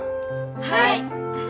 はい。